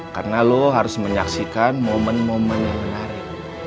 karena lo harus menyaksikan momen momen yang menarik